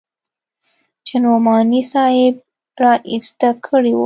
چې نعماني صاحب رازده کړې وه.